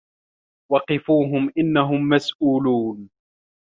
وَقِفوهُم إِنَّهُم مَسئولونَ